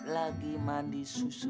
lagi mandi susu